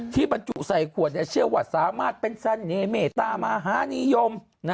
บรรจุใส่ขวดเชื่อว่าสามารถเป็นเสน่หเมตามหานิยม